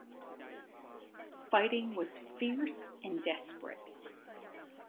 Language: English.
Fighting was fierce and desperate.